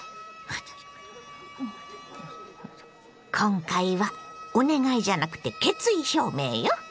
今回はお願いじゃなくて決意表明よ。